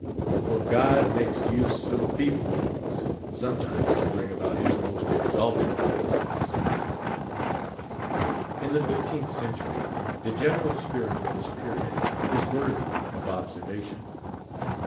For God makes use of feeble means sometimes to bring alx>nt his most ex&lied purposes. In the fifteenth century, the general spirit of this period is worthy of observation.